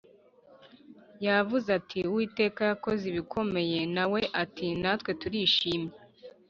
yavuze ati uwiteka yakoze ibikomeye nawe ati natwe turishimye